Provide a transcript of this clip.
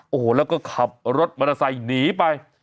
โอ้โหแล้วก็ขับรถมอเตอร์ไซค์หนีไป